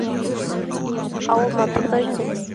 Ә ул матурҙыр инде.